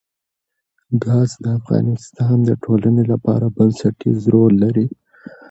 ګاز د افغانستان د ټولنې لپاره بنسټيز رول لري.